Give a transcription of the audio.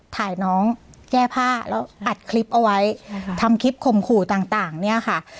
ถ่ายน้องแก้ผ้าแล้วอัดคลิปเอาไว้ทำคลิปข่มขู่ต่างต่างเนี่ยค่ะ